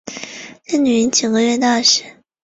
在女婴几个月大时